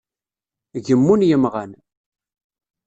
Gemmun yemɣan.